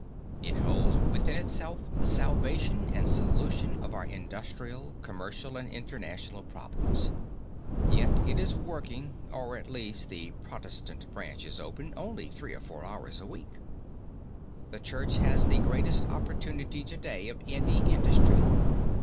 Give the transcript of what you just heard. It holds within itself the salvation and solution of our industrial, commercial and international problems. Yet it is working, or at least the Protestant branch is open, only three or four hours a week. The Church has the greatest opportunity to day of any industry.